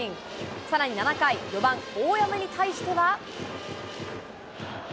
さらに７回、４番大山に対しては。